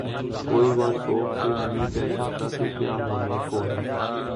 کوئی وثوق سے نہیں کہہ سکتا کہ کیا ہونے کو ہے۔